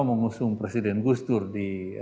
mengusung presiden gustur di